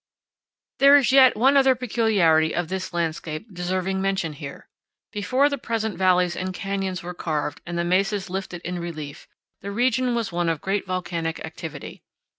There is yet one other peculiarity of this landscape deserving mention here. Before the present valleys and canyons were carved and the mesas lifted in relief, the region was one of great volcanic activity.